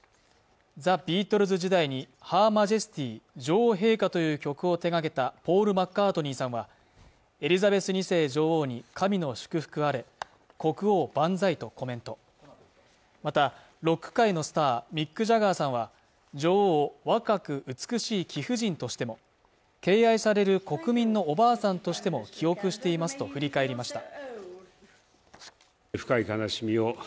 ザ・ビートルズ時代に「ＨｅｒＭａｊｅｓｔｙ」＝女王陛下という曲を手がけたポール・マッカートニーさんはエリザベス２世女王に神の祝福あれ国王万歳とコメントまたロック界のスターミック・ジャガーさんは女王を若く美しい貴婦人としても敬愛される国民のおばあさんとしても記憶していますと振り返りました